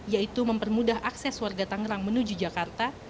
yaitu mempermudah akses warga tangerang menuju jakarta